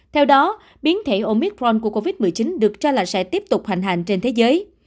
theo đó biến thể omicron của covid một mươi chín được cho là sẽ tiếp tục hành hành trên thế giới